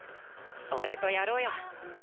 俺とやろうよ。